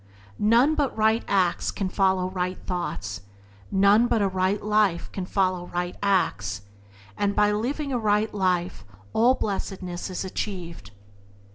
None but right acts can follow right thoughts; none but a right life can follow right acts — and by living a right life all blessedness is achieved.